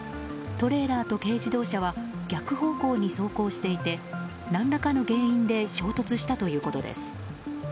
トレーラーと軽自動車は逆方向に走行していて何らかの原因で衝突したということです。